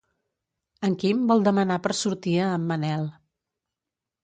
En Quim vol demanar per sortir a en Manel.